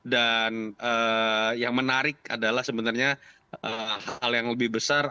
dan yang menarik adalah sebenarnya hal yang lebih besar